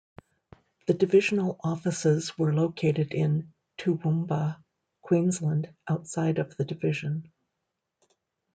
The divisional offices were located in Toowoomba, Queensland, outside of the division.